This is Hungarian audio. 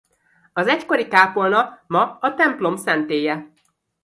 Az egykori kápolna ma a templom szentélye.